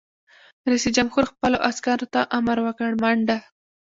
رئیس جمهور خپلو عسکرو ته امر وکړ؛ منډه!